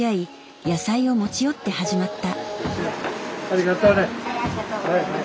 ありがとうね。